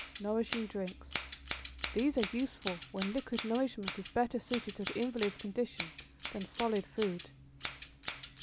NOURISHING DRINKS. These are useful when liquid nourishment is better suited to the invalid's condition than solid food.